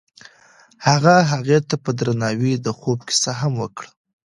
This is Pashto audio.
هغه هغې ته په درناوي د خوب کیسه هم وکړه.